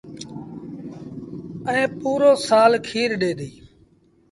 ائيٚݩ پورو سآل کير ڏي ديٚ۔